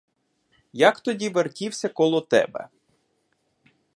Як тоді вертівся коло тебе.